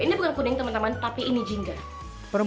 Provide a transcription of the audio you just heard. ini bukan kuning temen temen tapi ini jingga